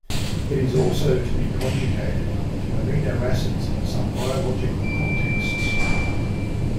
It is also be conjugated to amino acids in some biological contexts.